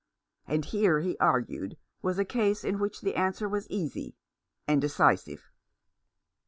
And here, he argued, was a case in which the answer was easy and decisive.